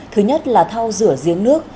thứ nhất là thao rửa giếng nước